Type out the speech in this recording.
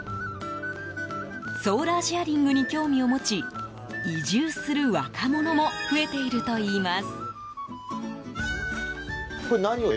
ソーラーシェアリングに興味を持ち移住する若者も増えているといいます。